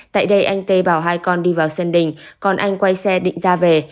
tại đây anh t bảo hai con đi vào sân đỉnh còn anh quay xe định ra về